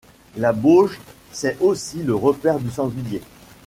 La bauge c'est aussi le repaire du sanglier.